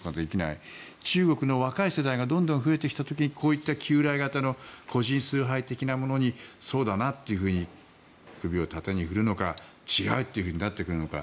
中国の若い世代がどんどん増えてきた時にこういった旧来型の個人崇拝的なものにそうだなというふうに首を縦に振るのか違うというふうになってくるのか